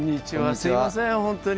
すいません本当に。